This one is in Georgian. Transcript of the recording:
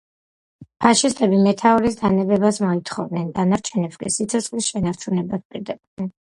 ფაშისტები მეთაურის დანებებას მოითხოვდნენ, დანარჩენებს კი სიცოცხლის შენარჩუნებას პირდებოდნენ.